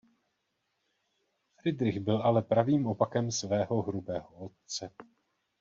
Fridrich byl ale pravým opakem svého hrubého otce.